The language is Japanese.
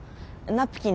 ナプキン？